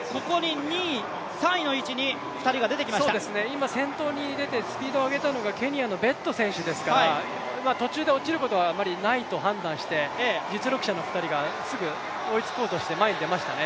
今、先頭に出てスピードを上げたのがケニアのベット選手ですから途中で落ちることはあまりないと判断して実力者の２人がすぐ追いつこうとして前に出ましたね。